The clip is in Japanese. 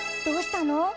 どうしたの？